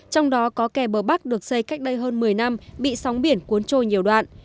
trong đó có kè bờ bắc được xây cách đây hơn một mươi năm bị sóng biển cuốn trôi nhiều đoạn